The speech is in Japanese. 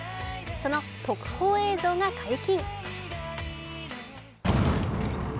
その特報映像が解禁。